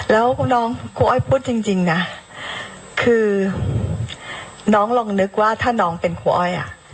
แล้วน้องครูอ้อยพูดจริงนะคือน้องลองนึกว่าถ้าน้องเป็นครูอ้อยอ่ะ